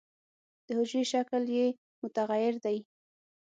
د حجرې شکل یې متغیر دی.